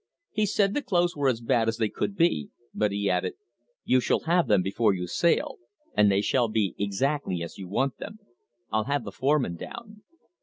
He said the clothes were as bad as they could be, but he added: "You shall have them before you sail, and they shall be exactly as you want them. I'll have the foreman down."